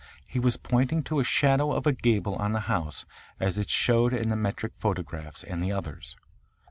He was pointing to a shadow of a gable on the house as it showed in the metric photographs and the others.